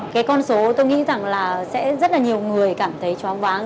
cái con số tôi nghĩ rằng là sẽ rất là nhiều người cảm thấy chóng váng